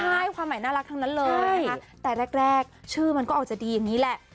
ใช่ความหมายน่ารักทั้งนั้นเลยนะคะแต่แรกชื่อมันก็ออกจะดีอย่างนี้แหละ